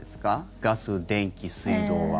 ガス、電気、水道は。